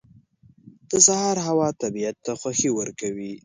• د سهار هوا طبیعت ته خوښي ورکوي.